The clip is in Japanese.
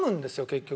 結局。